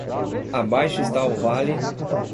Abaixo está o vale